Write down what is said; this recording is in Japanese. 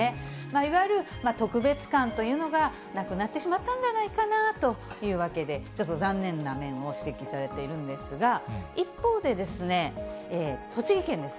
いわゆる特別感というのが、なくなってしまったんではないかというわけで、ちょっと残念な面を指摘されているんですが、一方で栃木県です。